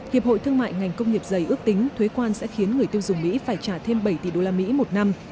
hiệp hội thương mại ngành công nghiệp giày ước tính thuế quan sẽ khiến người tiêu dùng mỹ phải trả thêm bảy tỷ usd một năm